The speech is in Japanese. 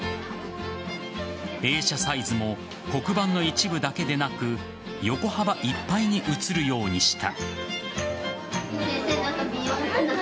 映写サイズも黒板の一部だけでなく横幅いっぱいに映るようにした。